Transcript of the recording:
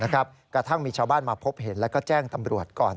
กระทั่งมีชาวบ้านมาพบเห็นแล้วก็แจ้งตำรวจก่อน